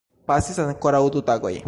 Pasis ankoraŭ du tagoj.